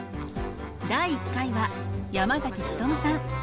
第１回は山努さん。